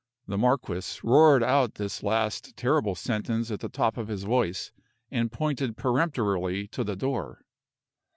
The marquis roared out this last terrible sentence at the top of his voice, and pointed peremptorily to the door.